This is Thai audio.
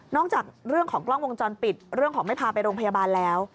จากเรื่องของกล้องวงจรปิดเรื่องของไม่พาไปโรงพยาบาลแล้ว